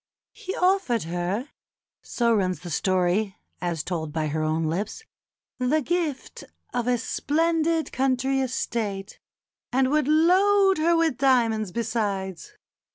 "He offered her" (so runs the story as told by her own lips) "the gift of a splendid country estate, and would load her with diamonds besides.